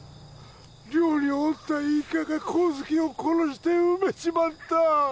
寮におった一家が康介を殺して埋めちまった